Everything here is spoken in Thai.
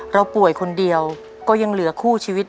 เราป่วยคนเดียวก็ยังเหลือคู่ชีวิต